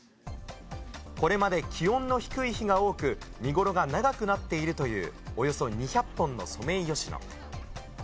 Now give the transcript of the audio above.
これまで気温の低い日が多く、見頃が長くなっているという、およそ２００本のソメイヨシノ。